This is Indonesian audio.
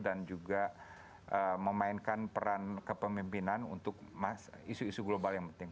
dan juga memainkan peran kepemimpinan untuk isu isu global yang penting